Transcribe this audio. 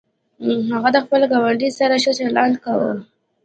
هغه د خپل ګاونډي سره ښه چلند کاوه.